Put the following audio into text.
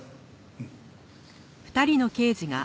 うん。